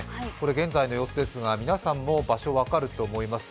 現在の様子ですが皆さんも場所分かると思います。